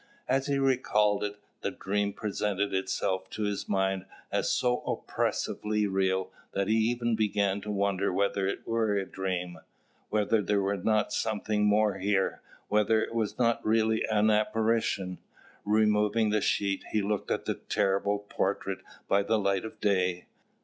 As he recalled it, the dream presented itself to his mind as so oppressively real that he even began to wonder whether it were a dream, whether there were not something more here, whether it were not really an apparition. Removing the sheet, he looked at the terrible portrait by the light of day.